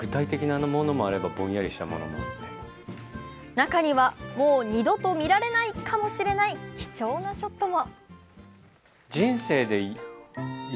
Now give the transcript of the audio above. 中には、もう二度と見られないかもしれない貴重なショットも。